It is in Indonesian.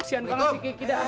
siang banget si kiki dah